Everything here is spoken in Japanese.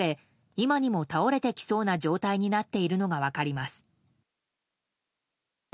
今にも倒れてきそうな状態になっているのが分かります。